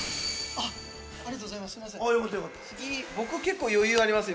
ありがとうございます。